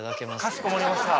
かしこまりました。